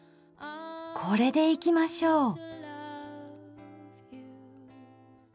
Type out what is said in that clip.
これでいきましょう。